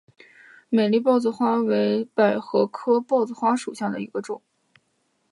美丽豹子花为百合科豹子花属下的一个种。